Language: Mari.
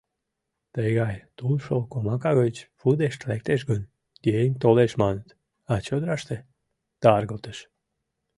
— Тыгай тулшол комака гыч пудешт лектеш гын, еҥ толеш маныт, а чодыраште — таргылтыш.